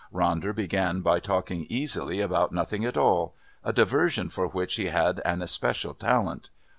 Ronder began by talking easily about nothing at all, a diversion for which he had an especial talent.